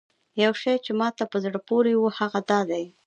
یو شی چې ماته په زړه پورې و هغه دا دی.